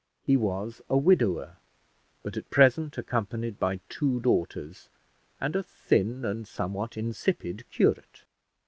He was a widower, but at present accompanied by two daughters, and a thin and somewhat insipid curate.